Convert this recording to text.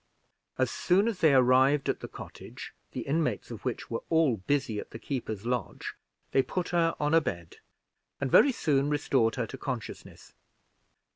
As soon as they arrived at the cottage, the inmates of which were all busy at the keeper's lodge, they put her on a bed, and very soon restored her to consciousness.